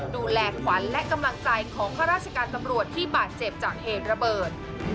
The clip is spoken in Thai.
ดูแลขวัญและกำลังใจของข้าราชการตำรวจที่บาดเจ็บจากเหตุระเบิด